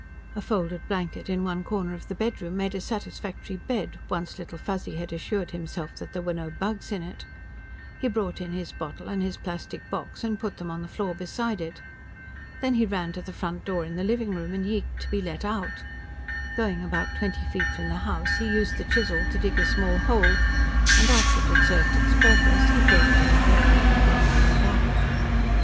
A folded blanket in one corner of the bedroom made a satisfactory bed, once Little Fuzzy had assured himself that there were no bugs in it. He brought in his bottle and his plastic box and put them on the floor beside it. Then he ran to the front door in the living room and yeeked to be let out. Going about twenty feet from the house, he used the chisel to dig a small hole, and after it had served its purpose he filled it in carefully and came running back.